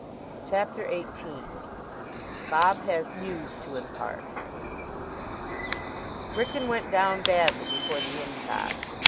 CHAPTER XVIII BOB HAS NEWS TO IMPART Wrykyn went down badly before the Incogs.